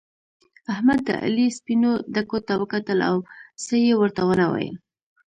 احمد د علي سپينو ډکو ته وکتل او څه يې ورته و نه ويل.